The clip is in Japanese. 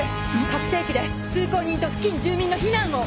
拡声器で通行人と付近住民の避難を！